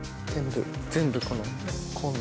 全部この紺。